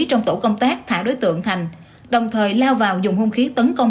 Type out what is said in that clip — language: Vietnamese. trong tổ công tác thả đối tượng thành đồng thời lao vào dùng hung khí tấn công